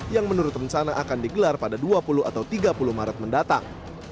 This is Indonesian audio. yang menurut rencana akan digelar pada dua puluh atau tiga puluh maret mendatang